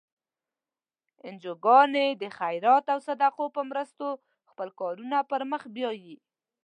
انجوګانې د خیرات او صدقو په مرستو خپل کارونه پر مخ بیایي.